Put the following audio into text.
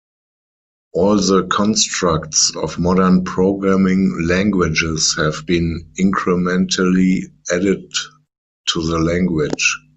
All the constructs of modern programming languages have been incrementally added to the language.